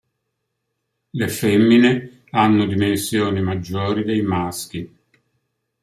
Le femmine hanno dimensioni maggiori dei maschi.